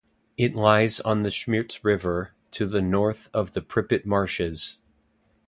It lies on the Smierc River, to the north of the Pripet Marshes.